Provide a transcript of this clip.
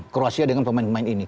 kroasia dengan pemain pemain ini